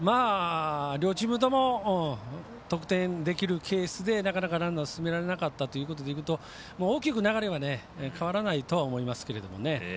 両チームとも得点できるケースでなかなか、ランナーを進められなかったというところでいうと大きく流れは変わらないとは思いますけどね。